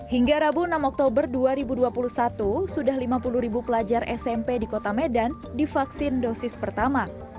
hingga rabu enam oktober dua ribu dua puluh satu sudah lima puluh ribu pelajar smp di kota medan divaksin dosis pertama